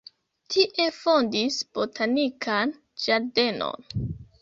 Tie fondis botanikan ĝardenon.